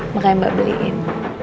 makanya mbak beliin